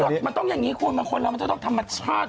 สดมันต้องอย่างนี้คุณว่าเราจะต้องทำแม่ชาติ